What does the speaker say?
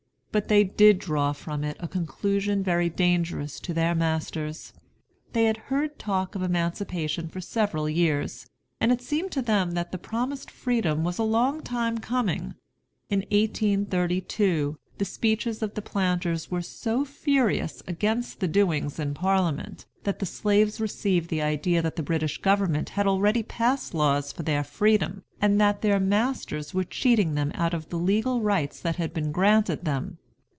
But they did draw from it a conclusion very dangerous to their masters. They had heard talk of emancipation for several years, and it seemed to them that the promised freedom was a long time coming. In 1832, the speeches of the planters were so furious against the doings in Parliament, that the slaves received the idea that the British government had already passed laws for their freedom, and that their masters were cheating them out of the legal rights that had been granted them.